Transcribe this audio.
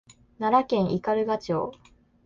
奈良県斑鳩町